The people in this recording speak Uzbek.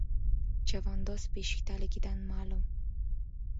• Chavandoz beshikdaligidan ma’lum.